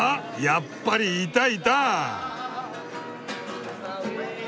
やっぱりいたいた！